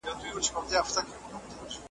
ښيي.